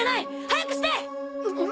早くして！